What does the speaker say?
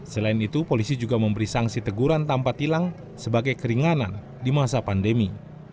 selain itu polisi juga memberi sanksi teguran tanpa tilang sebagai keringanan di masa pandemi